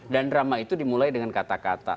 dan drama itu dimulai dengan kata kata